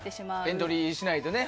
エントリーしないとね。